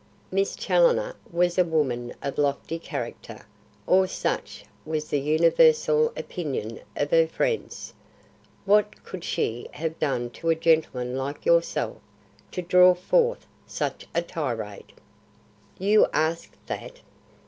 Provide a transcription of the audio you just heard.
Miss Challoner was a woman of lofty character, or such was the universal opinion of her friends. What could she have done to a gentleman like yourself to draw forth such a tirade?" "You ask that?"